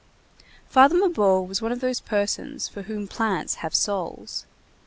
Father Mabeuf was one of those persons for whom plants have souls.